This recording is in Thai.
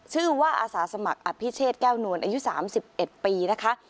อาสาสมัครอภิเชษแก้วนวลอายุ๓๑ปีนะคะ